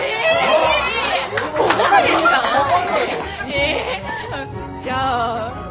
えじゃあ。